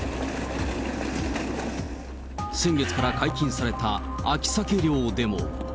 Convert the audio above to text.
先月から解禁された秋サケ漁でも。